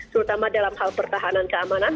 terutama dalam hal pertahanan keamanan